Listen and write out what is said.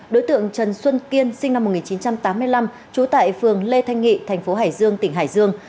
đối tượng trần xuân kiên sinh năm một nghìn chín trăm tám mươi năm trú tại phường lê thanh nghị thành phố hải dương tỉnh hải dương